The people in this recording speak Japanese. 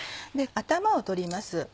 頭を取ります。